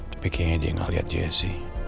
tapi kayaknya dia gak liat jsc